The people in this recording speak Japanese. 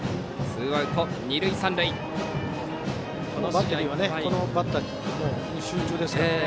ツーアウト、二塁三塁になった。